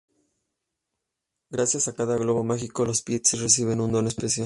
Gracias a cada globo mágico las pixies reciben un don especial.